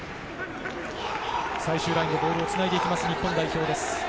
最終ラインでボールをつないで行く日本代表です。